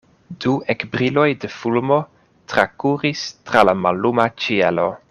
Du ekbriloj de fulmo trakuris tra la malluma ĉielo.